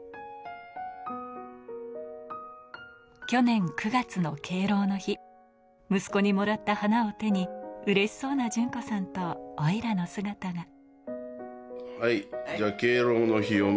去年９月の敬老の日、息子にもらった花を手に嬉しそうな順子さんとオイラの姿が。